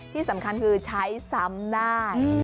ที่สำคัญคือใช้ซ้ำได้